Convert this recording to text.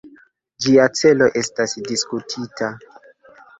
Ĝia celo estas diskutita.